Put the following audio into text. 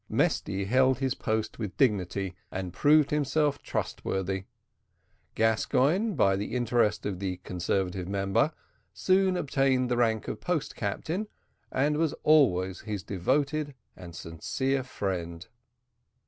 Mesty held his post with dignity, and proved himself trustworthy. Gascoigne, by the interest of the conservative member, soon obtained the rank of post captain, and was always his devoted and sincere friend.